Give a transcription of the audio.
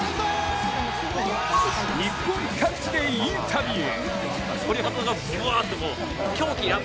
日本各地でインタビュー。